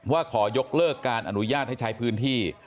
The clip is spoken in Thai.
ขอยกเลิกการอนุญาตให้ใช้พื้นที่